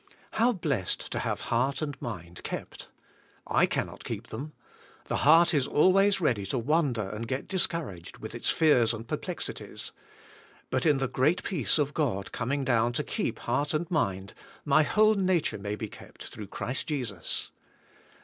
" How blessed to have heart and mind kept. I cannot keep them. The heart is always ready to wander and g et discourag ed, with its fears and perplexities. But in the g'reat peace of God coming down to keep heart and mind, my whole nature may be kept through Christ Jesus.